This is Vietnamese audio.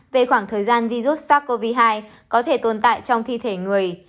về khoảng thời gian virus sars cov hai có thể tồn tại trong thi thể người